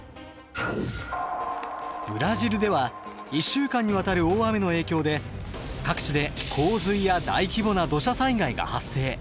ブラジルでは１週間にわたる大雨の影響で各地で洪水や大規模な土砂災害が発生。